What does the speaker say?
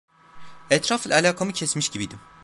Etrafla alakamı kesmiş gibiydim.